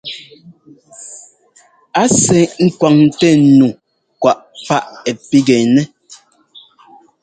A sɛ́ ŋ́kwaŋtɛ nu kwáꞌ páꞌ ɛ́ pigɛnɛ́.